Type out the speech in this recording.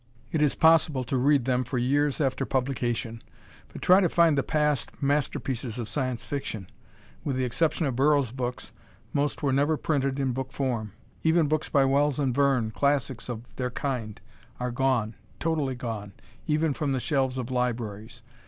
It is possible to read them for years after publication. But try to find the past masterpieces of Science Fiction. With the exception of Burroughs' books, most were never printed in book form. Even books by Wells and Verne, classics of their kind are gone, totally gone, even from the shelves of libraries.